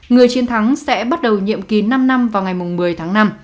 người chiến thắng sẽ bắt đầu nhiệm kỳ năm năm vào ngày một mươi tháng năm